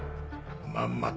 まんまと。